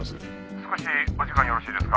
「少しお時間よろしいですか？」